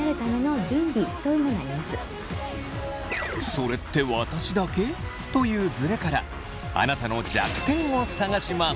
「それって私だけ？」というズレからあなたの弱点を探します。